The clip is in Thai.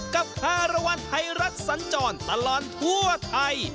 กับคารวรรณไทยรัฐสัญจรตลอดทั่วไทย